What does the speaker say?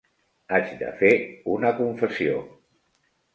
Haig de fer una confessió.